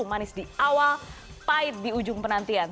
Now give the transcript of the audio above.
manis di awal pahit di ujung penantian